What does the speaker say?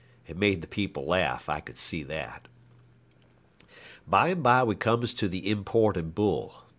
It made the people laugh; I could see that. By and by we comes to the imported bull.